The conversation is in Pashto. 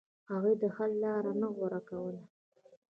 هغوی د حل لار نه غوره کوله.